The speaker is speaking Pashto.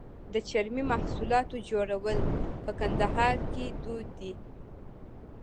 د چرمي محصولاتو جوړول په کندهار کې دود دي.